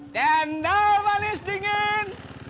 cendol manis dingin